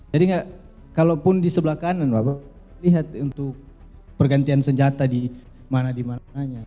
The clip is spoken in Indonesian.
jadi tidak kalaupun di sebelah kanan bapak lihat untuk pergantian senjata di mana dimananya